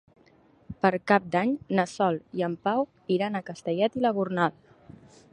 Per Cap d'Any na Sol i en Pau iran a Castellet i la Gornal.